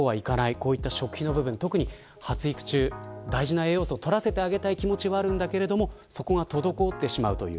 こういった食費の部分特に発育中、大事な栄養素を取らせてあげたい気持ちはあるんだけどそこが滞ってしまうという。